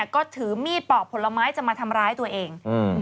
ก็ถือมีดปอกผลไม้จะมาทำร้ายตัวเอง